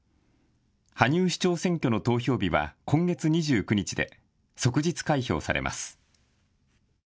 羽生市長選挙の投票日は今月２９日で即日開票されます。